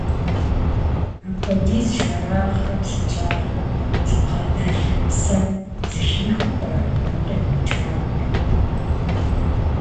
Апхуэдиз жэрагърэ псынщӀагърэ зыбгъэдэлъ псэм зэхихыу пӀэрэ гум къиӀукӀ макъыр?